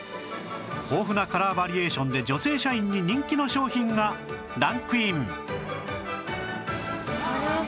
豊富なカラーバリエーションで女性社員に人気の商品がランクイン